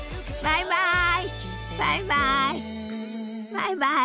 バイバイ！